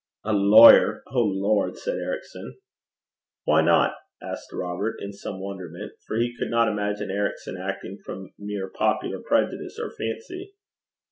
'A lawyer! O Lord!' said Ericson. 'Why not?' asked Robert, in some wonderment; for he could not imagine Ericson acting from mere popular prejudice or fancy.